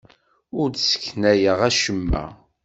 Ur d-sseknayeɣ acemma.